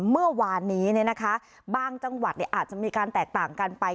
เมื่อวานนี้เนี่ยนะคะบ้างจังหวัดเนี่ยอาจจะมีการแตกต่างกันไป